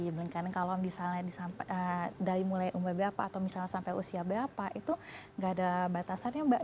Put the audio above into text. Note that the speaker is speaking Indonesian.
menjalankan kalau misalnya dari mulai umur berapa atau misalnya sampai usia berapa itu gak ada batasannya mbak